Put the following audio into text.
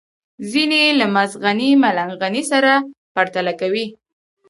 ځينې يې له مست غني ملنګ غني سره پرتله کوي.